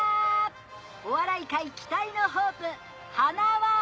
お笑い界期待のホープはなわ！